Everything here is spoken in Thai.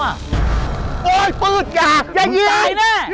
โอ๊ยปืดอย่าอย่าเยียด